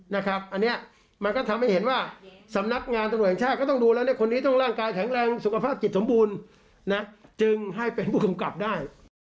อันนี้มันก็ทำให้เห็นว่าสำนักงานตำรวจแห่งชาติก็ต้องดูแล้วคนนี้ต้องร่างกายแข็งแรงสุขภาพจิตสมบูรณ์นะจึงให้เป็นผู้กำกับได้